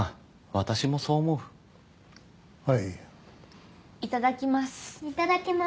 私もそう思うはいいただきますいただきます